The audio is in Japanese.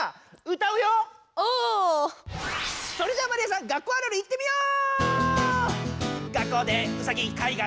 それじゃあマリアさん「学校あるある」いってみよう！